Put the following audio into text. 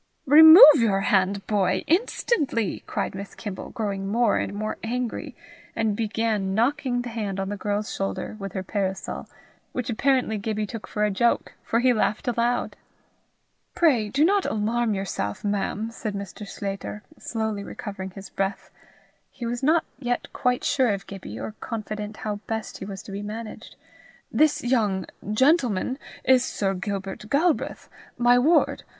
"Remove your hand, boy, instantly," cried Miss Kimble, growing more and more angry, and began knocking the hand on the girl's shoulder with her parasol, which apparently Gibbie took for a joke, for he laughed aloud. "Pray do not alarm yourself, ma'am," said Mr. Sclater, slowly recovering his breath: he was not yet quite sure of Gibbie, or confident how best he was to be managed; "this young gentleman is Sir Gilbert Galbraith, my ward.